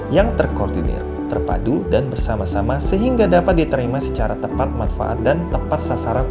yang terkoordinir terpadu dan bersama sama sehingga dapat diterima secara tepat manfaat dan tepat sasaran